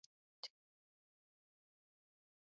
One favela exists in the Tijuca Forest.